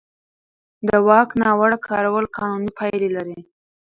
د واک ناوړه کارول قانوني پایلې لري.